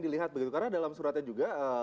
dilihat begitu karena dalam suratnya juga